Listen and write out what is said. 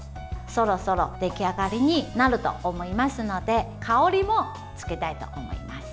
そろそろ出来上がりになると思いますので香りもつけたいと思います。